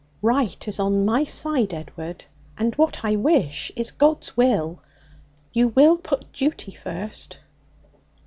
'Right is on my side, Edward, and what I wish is God's will. You will put duty first?'